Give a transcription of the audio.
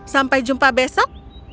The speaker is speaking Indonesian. sampai jumpa besok